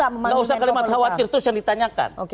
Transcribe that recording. memanggil menko paluka gak usah kalimat khawatir itu yang ditanyakan